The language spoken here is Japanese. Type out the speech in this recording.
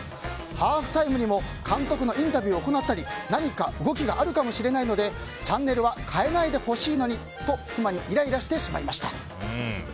ハーフタイムにも監督のインタビューを行ったり何か動きがあるかもしれないのでチャンネルを変えないでほしいと妻にイライラしてしまいました。